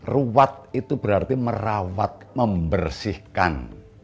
ruwat itu berarti merawat membersihkan